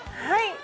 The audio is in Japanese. はい。